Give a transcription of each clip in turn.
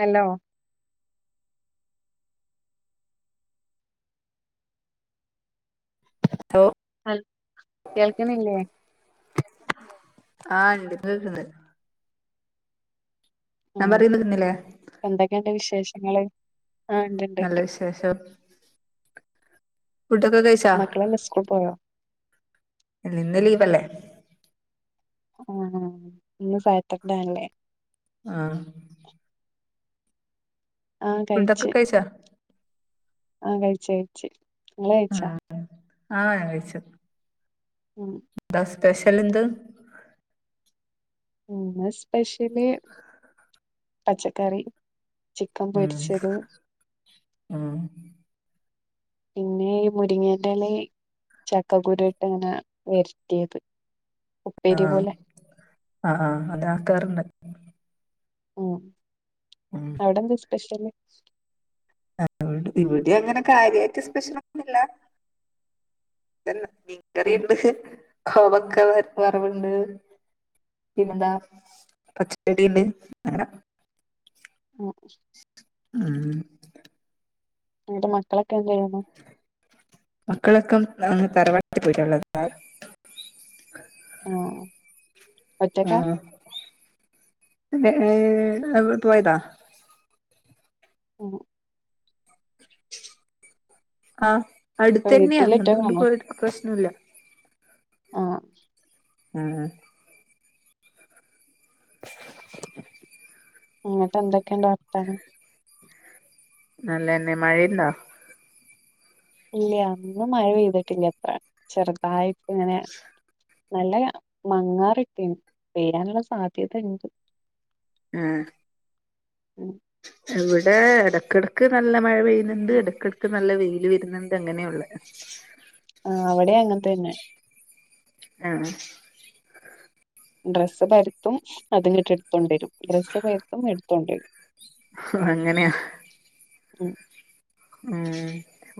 hello law [unintelligible] കേൾക്ക്ണില്ലേ ആഹ ഉണ്ട് കേക്ക്ണ്ട് ആ ഞാൻ പറയുന്നത് നിന്നില്ലേ എന്തൊക്കെയുണ്ട് വിശേഷങ്ങള് ആഹ ഇണ്ട്ണ്ട്ണ്ട് ശേഷം ഫുഡ് ഒക്കെ കഴി മക്കളെല്ലാം സ്കൂൾ പോയോ ഇന്ന് ലീവല്ലേ അ ആ ഇന്ന് സാറ്റർഡെ അല്ലെ ആഹ ആഹ ഫുഡൊക്കെ കഴിച്ച് കഴിച്ചാ ആഹ കഴിച്ചഴിച്ച് നിങ്ങൾ കഴിച്ചോ ആ ഞാൻ കഴിച്ചു ഉം എന്താ സ്പെഷ്യൽ എന്ത് ഉ ഇന്ന് സ്പെഷ്യല് പച്ചക്കറി ചിക്കൻ ഉം പൊരിച്ചതും ഉം പിന്നെ ഈ മുരിങ്ങേറ്റലയ് ചക്കക്കുരു ഇട്ട് അങ്ങനെ വര്ട്ടിയത് ആഹ ആ ആ അതാ കേറുന്നേ ഉ ഉം അവിടെന്താ സ്പെഷ്യല് ഇവിടെ അങ്ങനെ കാര്യായിട്ട് സ്പെഷ്യൽ ഒന്നുല്ല [unintelligible] മീൻ ഉം ങ്കറിണ്ട് കോവക്ക വറവുണ്ട് പിന്നെന്താ പച്ചക്കടിണ്ട് അന ഉം ഉം ന്നട്ട് മക്കളൊക്കെ എന്ത് ചെയ്യുന്നു മക്കളൊക്കെ അങ്ങ് തറവാട്ടി പോയിട്ടുള്ളത് ആ ഒറ്റക്കാ ആഹ [unintelligible] പോയതാ ഉം ആഹ് അടുത്തന്നെയാ വീട്ടില് അന്നുകൊണ്ട് ഒറ്റക്കാണോ പോയിട്ട് പ്രശ്ന ഇല്ല ആഹ ഉം ഉ [inaudible] ന്നട്ട് എന്തൊക്കെയണ്ട് വർത്താനം നല്ലെന്നെ മഴണ്ടോ ഇല്ല ഇന്നും മഴ പെയ്തിട്ടില്ല ചെറുതായിട്ട് ഇങ്ങനെയാ നല്ല മങ്ങാറട്ടിനു വേരാനുള്ള സാധ്യത ഉണ്ട് ഉം ഉം ഇവിടെ ഇടക്കിടക്ക് നല്ല മഴ പെയ്യുന്നുണ്ട് ഇടക്കിടക്ക് നല്ല വെയിൽ വരുന്നുണ്ട് അങ്ങനെയള്ളേ [inaudible] ആ അവിടെ അങ്ങനെ തന്നെ ആഹ ഡ്രസ്സ് പരത്തും അത്ങ്ങിട്ട് എടുത്തൊണ്ട വരും ഡ്രസ്സ് പരുത്തും എടുത്തൊണ്ട വരും ഹ്ഹങ്ങനെയാ [inaudible] ഉം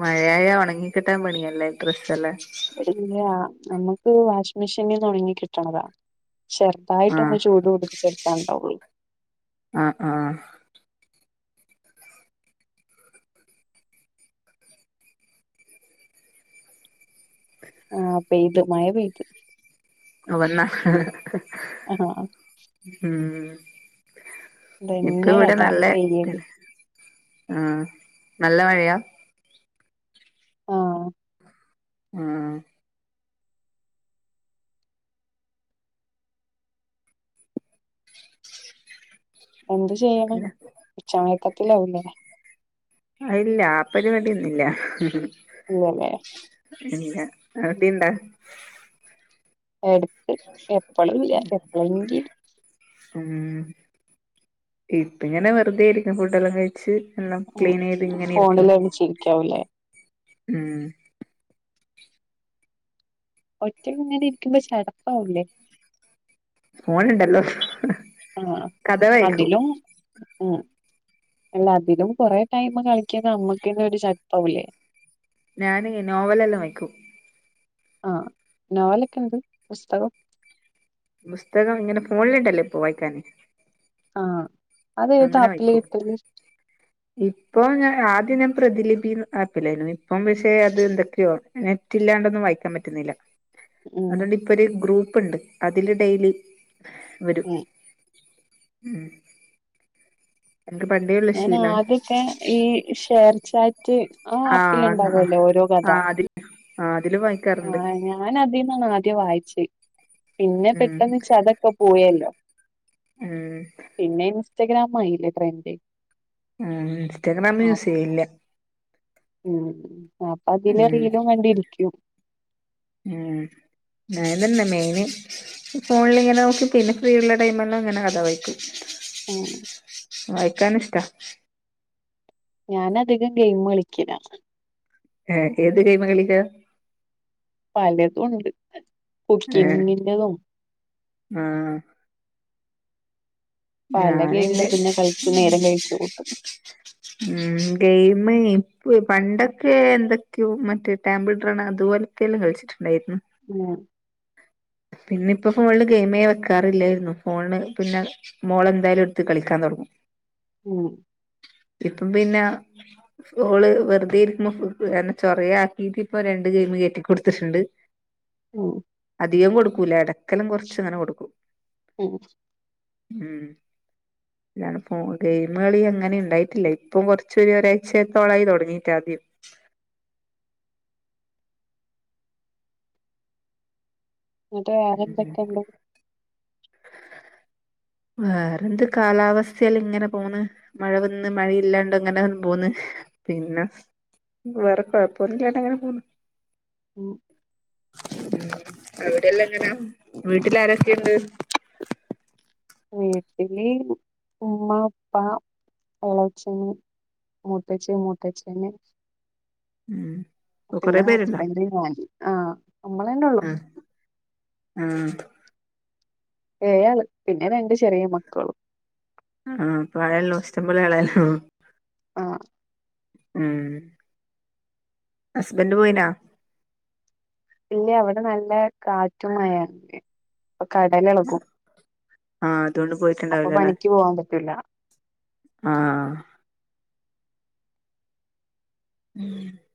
മഴയായാ ഒണങ്ങി കിട്ടാൻ പണിയല്ലേ ഡ്രസ്സെല്ല ഇല്ലാ നമുക്ക് വാഷിംഗ മെഷീനീന്നൊണങ്ങി കിട്ടണതാ ആഹ് ചെറുതായിട്ടൊന്ന് ചൂടുടിപ്പിച്ചെടുത്താ ഉണ്ടാവുള്ളൂ ആഹ് ആഹ് ആഹ് പെയ്ത് മഴ പെയ്ത് വന്നാ ഹ്ഹഹ ആഹ് ഉം ഇതന്നെ ഇപ്പവിടെ കഥ നല്ലെ പെയ്യല് ആഹ് നല്ല മഴയാ ആഹ് ആഹ് എന്ത് ചെയ്യണ് പിന്നെ ഉച്ചമയക്കത്തിലാവൂല്ലേ ഇല്ല ആപ്പരുവാടിയൊന്നില്ല ഇല്ലല്ലേ ഇല്ല ആടെയ്ണ്ടാ എടയ്ക്ക് എപ്പളുല്ല എപ്പളെങ്കി ഉം ഇപ്പങ്ങനെ വെറുതെയിരിക്കും ഫുഡെല്ലാം കഴിച്ച് എല്ലാം ഉം ക്ലീനെയ്തിങ്ങനെയിരിക്കും ഫോണില് കളിച്ചിരിക്കാവൂലേ ഒറ്റക്ക്ങ്ങനെ ഇരിക്കുമ്പോ ശടപ്പാവൂല്ലേ ഫോണ് ണ്ടല്ലോ ആഹ് അതിലും ഉം അല്ലതിലും കൊറെ ടൈമ് കളിക്ക്നാ അമ്മക്കന്നെ ഒര് ശട്പ്പാവൂല്ലേ ഞാനീ നോവലെല്ലാം വായ്ക്കു ആഹ് നോവലെക്കെണ്ട് പുസ്തകം പുസ്തകം ഇങ്ങനെ ഫോണില്ണ്ടല്ലോ ഇപ്പോ വായിക്കാന് ആഹ് അതേത് അങ്ങനെ ആപ്പിലാ വായ്ക്കു കിട്ടല് ഇപ്പൊ ഞാനാദ്യം ഞാൻ പ്രതിലിപിന്ന് ആപ്പില്ലെനു ഇപ്പം പക്ഷെ അത് ന്തൊക്കെയാണ് നെറ്റ് ഇല്ലാണ്ടൊന്നും വായിക്കാൻ പറ്റുന്നില്ല ഉം അതൊണ്ട് ഇപ്പൊ ഒരു ഗ്രൂപ്പ്ണ്ട് അതില് ഡെയിലി വരും ഉം [unintelligible] ഞാനാദ്യക്കെ ഈ ശെർച്ചാറ്റ് ആ ആഹ് ആഹ് അപ്പില്ണ്ടാവല്ലോ ഓരോ കഥ ആഹ് അതില് ആഹ് അതില് വായിക്കാറുണ്ട് ആഹ് ഞാ ഞാനതീന്നാണാദ്യം വായിച്ചേ പിന്നെ ഉം പെട്ടെന്ന്ച്ച് അതൊക്കെ പോയല്ലോ ഉം പിന്നെ ഇൻസ്റ്റഗ്രാമായീലേ ട്രെൻഡ് ആ ഇൻസ്റ്റഗ്രാമ് ആ യൂസീയില്ല ഉം അപ്പപിന്നെ ഉം റീലും കണ്ടിരിക്കും ഉം [unintelligible] മേയിന് ഫോണില്ങ്ങനെ നോക്കി പിന്നെ ഫ്രീയുള്ള ടൈമെല്ലാങ്ങനെ കഥ വായ്ക്കും ഉം വായിക്കാന്ഷ്ടാ ഞാനധികം ഗെയിമ് കളിക്കല ഏ ഏത് ഗെയ്മ കളിക്ക പലതുണ്ട് ഏഹ് കുക്കിങ്ങിന്റതും ആഹ് പല ഗെയിമും ഞാനില്ലേ ഇരുന്ന് കളിച്ച് നേരം കഴിച്ചു കൂട്ടും മം ഗെയിമ് ഇപ്പ പണ്ടൊക്കെ എന്തൊക്കെയോ മറ്റേ ടാമ്പിൾ ഡ്രോണ അതുപോ കല്ലം കളിച്ചിട്ടുണ്ടായിരുന്നു ഉം പിന്നെ ഇപ്പ ഫോണില് ഗെയിമേ വെക്കാറില്ലായിരുന്നു ഫോണ്ന് പിന്നെ മോളെന്തായാലും എടുത്ത് കളിക്കാൻ തുടങ്ങും ഉം ഇപ്പം പിന്ന ഓള് വെറുതെരിക്കുമ്പോ എന്നെ ചൊറയാക്കീട്ട് ഇപ്പ രണ്ട് ഗെയിമ് കേറ്റി ക്കൊടുത്തിട്ടുണ്ട് ഉം അധികം കൊടുക്കൂല എടക്കല്ലം കുറച്ച്ങ്ങനെ കൊടുക്കും ഉം മം ഗെയിമ് കളി അങ്ങനെ ഉണ്ടായിട്ടില്ല ഇപ്പൊ കുറച്ചൊ ഒരാഴ്ചയത്തോളായി തുടങ്ങിയിട്ട് ആദ്യം എന്നിട്ട് വേറെ ഉം എന്തൊക്കെയുണ്ട് വേറെന്ത് കാലാവസ്ഥൽ ഇങ്ങനെ പോണ് മഴ വന്ന് മഴയില്ലാണ്ട് അങ്ങനെ പോന്ന് പിന്ന വേറെ കുഴപ്പൊന്നില്ലാ അങ്ങനെ പോന് ഉം ഉം അവിടെല്ലാം ങ്ങനാ വീട്ടിൽ ആരെ ക്കെണ്ട് വീട്ടല് ഉമ്മ ഉപ്പാ എളച്ചന് മൂത്തച്ചി മൂത്തച്ഛൻ ഉം ഓ പിന്ന കൊറെ പേരുണ്ടോ ഹസ്ബൻറ് ഞൻ ആഹ് നമ്മളന്നള്ളു ഉം ഏഴാൾ പിന്ന രണ്ട് ചെറിയ മക്കളും ആഹ് ഇഷ്‌ടം പോലെ ആളായല്ലോ ആഹ് മം ഹസ്ബൻഡ് പോയിനാ ഇല്ല ഇവിട നല്ല കാറ്റും മഴ പ്പൊ കടല ഇളകും ആഹ് അതുകൊണ്ട് പോയി അപ്പൊ പണിക്ക് പോവാൻ പറ്റുല്ല ആഹ് ഉം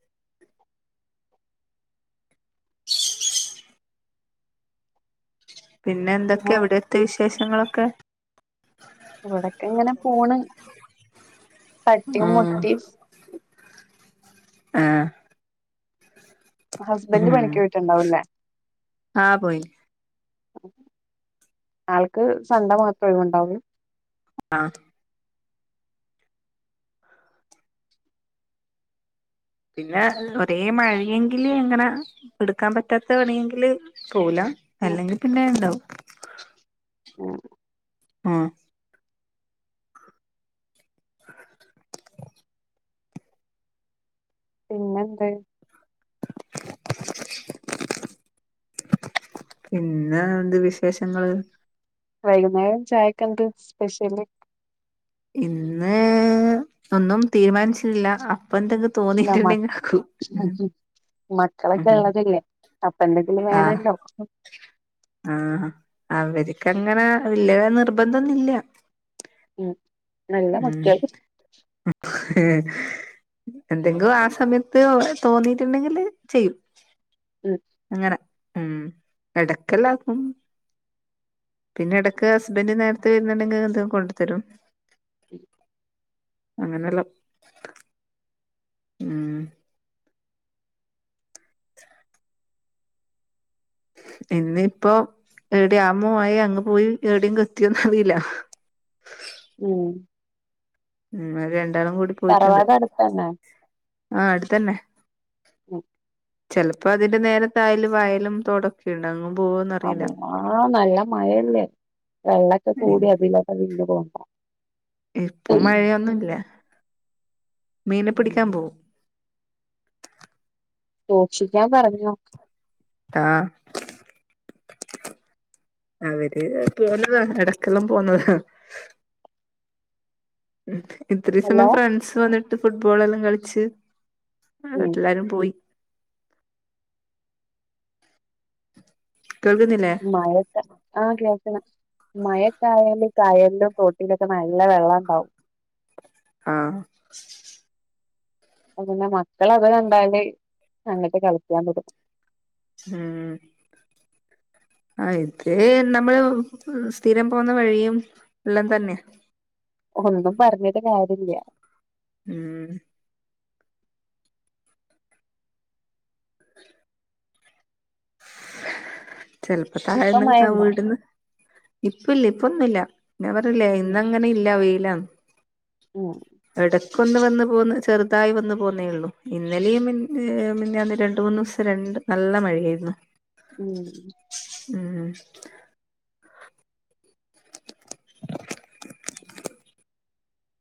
പിന്നെ എന്തൊക്കെ അവിടെത്തെ വിശേഷങ്ങളൊക്കെ ഇവിടൊക്കെ ഇങ്ങന പോണ് തട്ടി ഉം മുട്ടി ആഹ് ഹസ്ബൻഡ് ഉം പണിക്ക് പോയിട്ടുണ്ടാവില്ലേ ആഹ് പോയിന് ആൾക്ക് സൺ‌ഡേ മാത്ര ഒഴിവ് ഉണ്ടാവൂള്ളു ആഹ് പിന്നെ ഒരേ മഴയെങ്കില് ഇങ്ങന എടുക്കാൻ പറ്റാത്ത പണിയെങ്കില് പോവൂല ഉം അല്ലെങ്കിൽ പിന്നെ ഉണ്ടാവും ഉം ആഹ് [inaudible] പിന്നെ എന്ത് പിന്നെന്ത് വിശേഷങ്ങള് വൈകുന്നേരം ചായക്ക് എന്ത്‌ സ്പെഷ്യല് ഇന്ന് ഒന്നും തീരുമാനിച്ചില്ല അപ്പൊഎന്തെ- ഇല്ല തോന്നിട്ടുണ്ടെങ്കിൽ ആക്കും മക്ക മക്കളൊക്കെ ഉം ഇളതല്ലേ അപ്പ എന്തെങ്കിലും ആഹ് വേണല്ലോ ആഹ് അവരിക്ക് അങ്ങനെ വല്ല്യ നിർബന്ധന്നുല്ല്യ ഉം നല്ല മക്കള് എഹ് എന്തെങ്കും ആ സമയത്ത് തോന്നീട്ടുണ്ടങ്കില് ചെയ്യും ഉം അങ്ങനെ ഉം എടക്കല്ലാക്കും പിന്നെ ഇടക്ക് ഹസ്ബൻഡ് നേരത്തെ വരുന്നുണ്ടെങ്കിൽ എന്തേ കൊണ്ട് തരും ഉം അങ്ങനെല്ലാം ഉം എന്ന് ഇപ്പോ എടെ അമ്മുവായി അങ്ങ് പോയി എവിടെങ്ക് എത്തിയോന്ന് അറിയില്ല ഉം ഉം അവര് രണ്ടാളും കൂടി പോയിട്ടുണ്ട് തറവാട് അടുത്തന്നെ ആഹ് അടുത്തന്നെ ഉം ചിലപ്പോ അതിന്റെ നേരെ തായെല് വയലും തോട്ക്ക് - ക്കെ ഇണ്ട് അങ്ങ് പോകൊ- ആ ആ നല്ല മഴല്ലേ വെള്ളൊക്കെ കൂടി പിള്ളേർ അതിലൊക്കെ വിണു പോണ്ട ഇപ്പം മഴയൊന്നുല്ല മീനെ പിടിക്കാൻ പോവും സൂക്ഷിക്കാൻ പറഞ്ഞോ ആഹ് അവര് പോന്നതാ ഇടക്കെല്ലാം പോന്നതാ ഇത്രയും സമയം ഹലോ ഫ്രണ്ട്സ് വന്നിട്ട് ഫുട്ബോൾ എല്ലാം കളിച്ച് അവര് ഉം എല്ലാരും പോയി കേൾക്കുന്നില്ലേ മഴത്ത ആഹ് കേക്കണ് മയക്കായല് കയലിലും തോട്ടിയിലൊക്കെ നല്ല വെള്ളം ഉണ്ടാവും ആഹ് അപ്പപിന്നെ മക്കള് അത് കണ്ടാല് അങ്ങിട്ട് കളിക്കാൻ വിടും ഉം ആ ഇത് നമ്മള് സ്ഥിരം പോകുന്ന വഴിയും എല്ലാം തന്നെയ ഒന്നും പറഞ്ഞിട്ട് കാര്യല്ല ഉം ചെലപ്പൊ ഇപ്പം താഴേന്ന് ആ മഴണ്ടോ വീടിന്ന് ഇപ്പല്ല ഇപ്പൊന്നുംല്ല ഞാപറഞ്ഞില്ലേ ഉം ഇന്നങ്ങനെ ഇല്ല വെയിലാ ഉം എടക്കൊന്ന് വന്ന് പോന്ന് ചെറുതായി വന്നു പോകുന്നേ ഉള്ളു ഇന്നലെയും മിഞ്ഞാന്ന് രണ്ട് മൂന്നീസം രണ്ട് നല്ല മഴയായിരുന്നു ഉം ഉം [inaudible]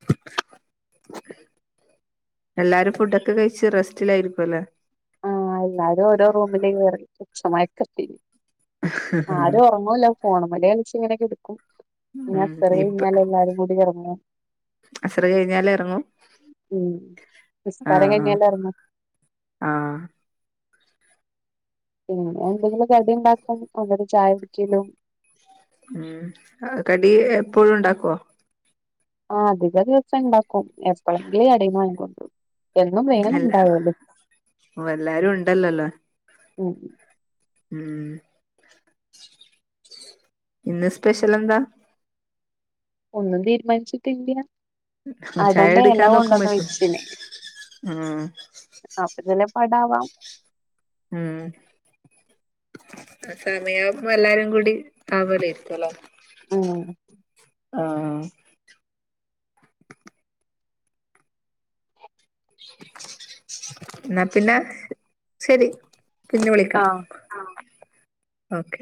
എല്ലാരും ഫുഡൊക്കെ കഴിച്ച് റെസ്റ്റിലായിരിക്കും അല്ലേ ആഹ് എല്ലാരും ഓരോ റൂമില് [unintelligible] ഉച്ച മയക്കത്തില് ഉം ആരും ഒറങ്ങുവല്ല ഫോണുമ്മല് കലിച്ച്ങ്ങനെ കെടക്കും ഉം പിന്നെ ഉം അസറ് ഇപ്പ കഴിഞ്ഞാൽ എല്ലാരും കൂടി എറങ്ങും അസറ് കഴിഞ്ഞാല് എറങ്ങും ഉം നിസ്കാരം ആഹ് കഴിഞ്ഞിണ്ടറങ്ങും ആഹ് പിന്നെ എന്തെങ്കിലും കടിണ്ടാക്കും അല്ലെങ്കി ചായ [unintelligible] ഉം കടി എപ്പോഴും ണ്ടാക്കോ ആഹ് അധിക ദിവസം ണ്ടാക്കും എപ്പഴെങ്കിലും കടേന്ന് വാങ്ങികൊണ്ടരും അല്ലാ ഓ എല്ലാരും ഉണ്ടല്ലല്ലോ ഉം ഉം ഉം ഇന്ന് സ്പെഷ്യലെന്താ ഒന്നും തീരുമാനിച്ചിട്ട് ഇല്ല്യ ചായ അടന്റെറെ എല എടുക്കാൻ കൊണ്ടന്ന് നോക്കുമ്പോഴേക്കും വെച്ചിന് ഉം അപ്പൊ ഇതല്ലാം പടാവാം ഉം ആ സമയാകുമ്പോ എല്ലാരും കൂടി [unintelligible] ആഹ് ആഹ് ന്നാ പിന്നെ ശരി പിന്നെ വിളിക്കാം ആഹ് ആഹ് ഓക്കെ